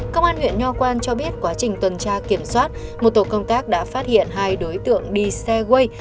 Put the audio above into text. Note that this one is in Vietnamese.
công an huyện nho quan cho biết quá trình tuần tra kiểm soát một tổ công tác đã phát hiện hai đối tượng đi xe